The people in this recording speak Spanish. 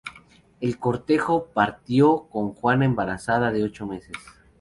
El cortejo partió con Juana embarazada de ocho meses.